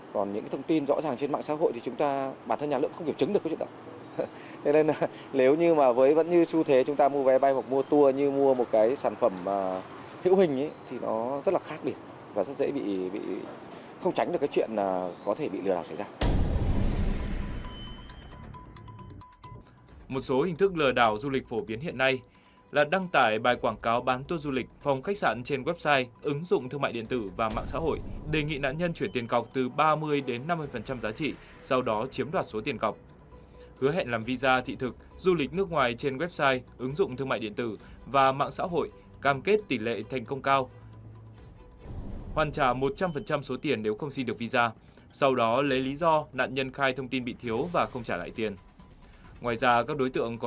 còn những thông tin rõ ràng trên mạng xã hội thì chúng ta bản thân nhà lượng không hiểu chứng được